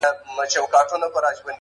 په غصه د دې زمري پر خوا روان سو